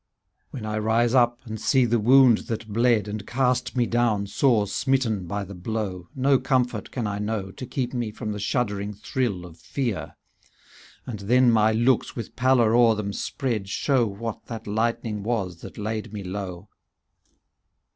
When I rise up, and see the wound that bled. And cast me down sore smitten by the blow. No comfort can I know. To keep me from the shuddering thrill of fear ;" And then my looks, with pallor o'er them spread. Show what that lightning was that laid me low.